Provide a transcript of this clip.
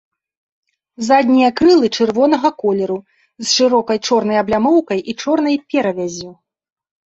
Заднія крылы чырвонага колеру, з шырокай чорнай аблямоўкай і чорнай перавяззю.